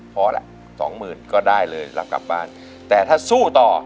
พอละสองหมื่นก็ได้เลยรับกลับบ้านแต่ถ้าสู้ต่อ